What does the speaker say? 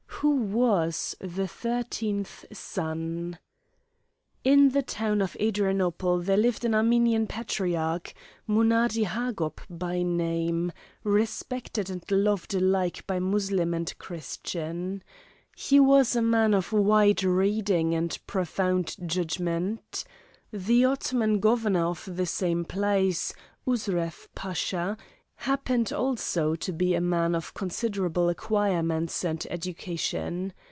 WHO WAS THE THIRTEENTH SON In the town of Adrianople there lived an Armenian Patriarch, Munadi Hagop by name, respected and loved alike by Mussulman and Christian. He was a man of wide reading and profound judgment. The Ottoman Governor of the same place, Usref Pasha, happened also to be a man of considerable acquirements and education.